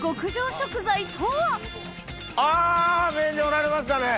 あ名人おられましたね。